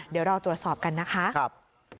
เดี๋ยวเราตรวจสอบกันนะคะ